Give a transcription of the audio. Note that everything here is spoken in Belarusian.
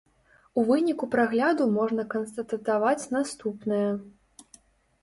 У выніку прагляду можна канстатаваць наступнае.